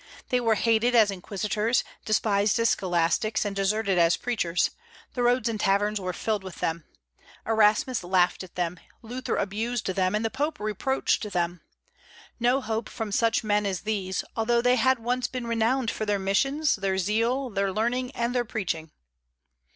They were hated as inquisitors, despised as scholastics, and deserted as preachers; the roads and taverns were filled with them. Erasmus laughed at them, Luther abused them, and the Pope reproached them. No hope from such men as these, although they had once been renowned for their missions, their zeal, their learning, and their preaching.